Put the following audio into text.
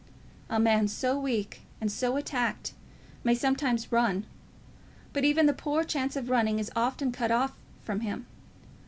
A man so weak and so attacked may sometimes run; but even the poor chance of running is often cut off from him.